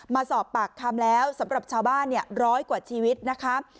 มาสอบปากคำแล้วสำหรับชาวบ้านร้อยกว่าชีวิตนะคะ